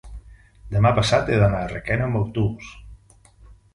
Demà passat he d'anar a Requena amb autobús.